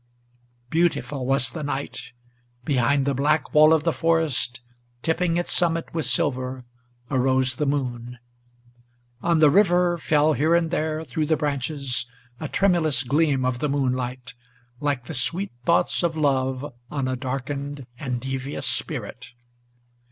Beautiful was the night. Behind the black wall of the forest, Tipping its summit with silver, arose the moon. On the river Fell here and there through the branches a tremulous gleam of the moonlight, Like the sweet thoughts of love on a darkened and devious spirit.